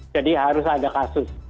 jadi harus ada kasus